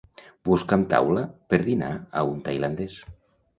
Busca'm taula per dinar a un tailandès.